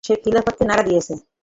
সে খিলাফতকে নাড়া দিয়েছেন।